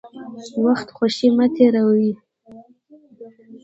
وخت خوشي مه تېروئ.